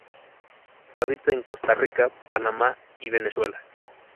Habita en Costa Rica, Panamá y Venezuela.